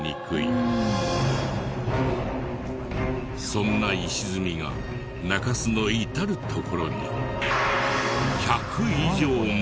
そんな石積みが中州の至る所に１００以上も。